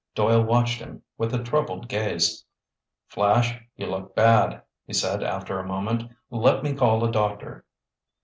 Doyle watched him with a troubled gaze. "Flash, you look bad," he said after a moment. "Let me call a doctor."